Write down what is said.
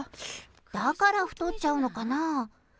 だから太っちゃうのかな？